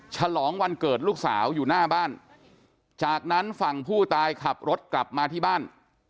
ฉลองวันเกิดลูกสาวอยู่หน้าบ้านจากนั้นฝั่งผู้ตายขับรถกลับมาที่บ้าน